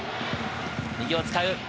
右を使う。